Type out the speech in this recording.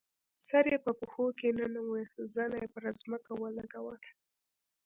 سر یې په پښو کې ننویست، زنه یې پر ځمکه ولګوله.